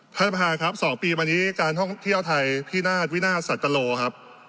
ท่านประธานครับ๒ปีมานี้การท่องเที่ยวไทยพินาศวินาทสัตโลครับ